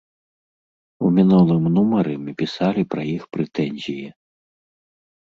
У мінулым нумары мы пісалі пра іх прэтэнзіі.